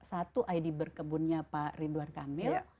satu id berkebunnya pak ridwan kamil